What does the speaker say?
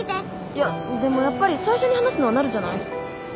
いやでもやっぱり最初に話すのはなるじゃないと。